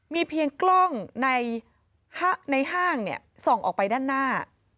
มีเพียงกล้องในห้างส่องออกไปด้านหน้า